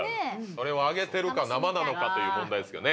それを揚げてるか生なのかという問題ですけどね。